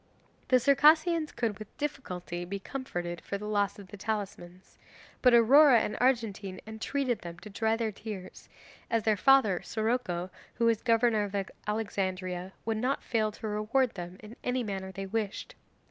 The Circassians could with difficulty be comforted for the loss of the talismans, but Aurora and Argentine entreated them to dry their tears, as their father, Siroco, who was governor of Alexandria, would not fail to reward them in any manner they wished.